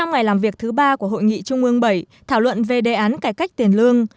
một mươi ngày làm việc thứ ba của hội nghị trung ương bảy thảo luận về đề án cải cách tiền lương